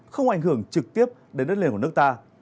không ảnh hưởng trực tiếp đến đất liên minh